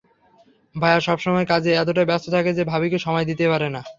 ভাইয়া সবসময় কাজে এতটাই ব্যস্ত থাকে যে ভাবিকে সময়ই দিতে পারে না।